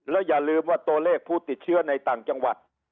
อย่าลืมว่าตัวเลขผู้ติดเชื้อในต่างจังหวัด